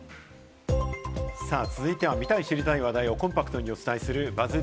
続いては見たい、知りたい話題をコンパクトにお伝えするＢＵＺＺ